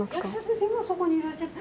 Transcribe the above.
今そこにいらっしゃった。